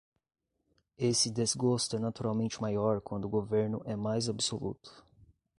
Esse desgosto é naturalmente maior quando o governo é mais absoluto.